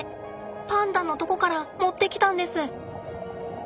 パンダのとこから持ってきたんです。